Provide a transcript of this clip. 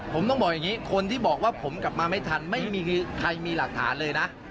ผมต้องบอกอย่างนี้คนที่บอกว่าผมกลับมาไม่ทันไม่มีใครมีหลักฐานเลยนะ